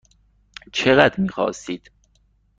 چقدر میخواستید؟